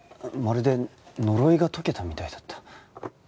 まるで呪いが解けたみたいだった。